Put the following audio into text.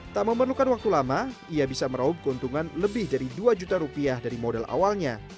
tak memerlukan waktu lama ia bisa meraup keuntungan lebih dari dua juta rupiah dari modal awalnya